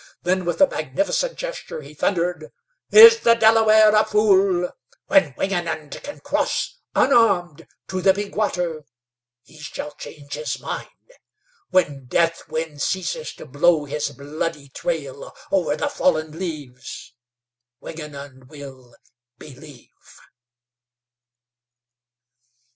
Then with a magnificent gesture he thundered: "Is the Delaware a fool? When Wingenund can cross unarmed to the Big Water he shall change his mind. When Deathwind ceases to blow his bloody trail over the fallen leaves Wingenund will believe."